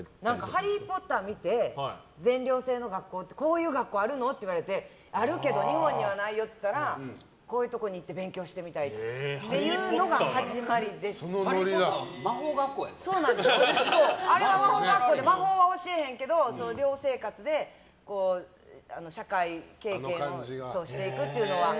「ハリー・ポッター」を見て全寮制の学校こういう学校あるの？って言われてあるけど日本にはないよって言ったらこういうとこに行って勉強してみたいっていうのが「ハリー・ポッター」はあれは魔法学校で魔法は教えへんけど、寮生活で社会経験をしていくっていうのは。